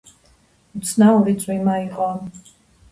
უცნაური წვიმა იყო.